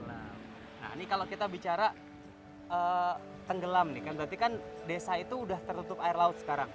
nah ini kalau kita bicara tenggelam nih kan berarti kan desa itu sudah tertutup air laut sekarang